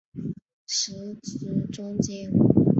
司职中坚。